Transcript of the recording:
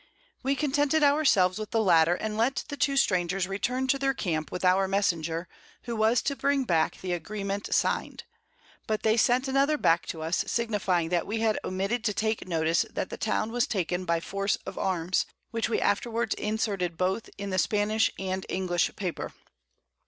We contented our selves with the latter, and let the two Strangers return to their Camp with our Messenger, who was to bring back the Agreement sign'd; but they sent another back to us, signifying that we had omitted to take notice that the Town was taken by Force of Arms, which we afterwards inserted both in the Spanish and English Paper.